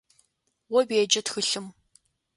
О уеджэ тхылъым.